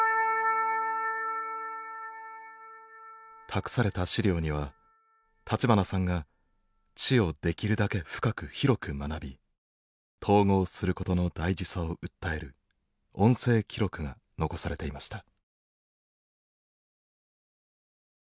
託された資料には立花さんが知をできるだけ深く広く学び統合することの大事さを訴える音声記録が残されていました。